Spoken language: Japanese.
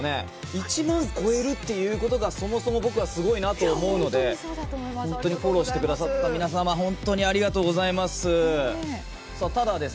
１万超えるっていうことがそもそも僕はすごいなと思うので本当にフォローして下った皆様ありがとうございます。